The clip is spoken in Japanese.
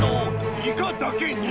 イカだけに！